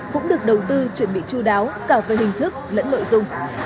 cũng được đầu tư chuẩn bị chú đáo cả về hình thức lẫn nội dung